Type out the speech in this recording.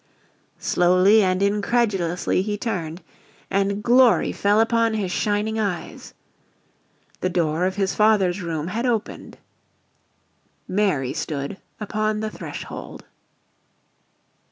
Slowly and incredulously he turned and glory fell upon his shining eyes. The door of his father's room had opened. Mary stood upon the threshold.